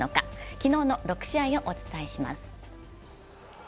昨日の６試合をお伝えします。